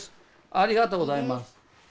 ありがとうございます。